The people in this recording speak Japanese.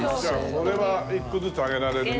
これは１個ずつあげられるな。